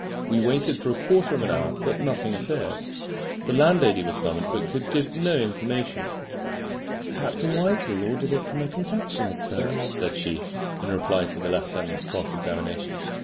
We waited for a quarter of an hour, but nothing appeared. The landlady was summoned, but could give no information. "Captain Whitehall ordered it from a confectioner's, sir," said she, in reply to the lieutenant's cross examination.